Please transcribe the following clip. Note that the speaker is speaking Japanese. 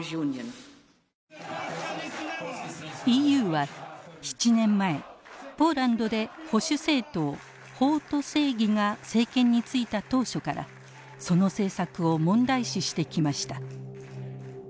ＥＵは７年前ポーランドで保守政党法と正義が政権に就いた当初からその政策を問題視してきました。